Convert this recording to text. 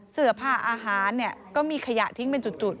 เสื้อผ้าอาหารเนี่ยก็มีขยะทิ้งเป็นจุด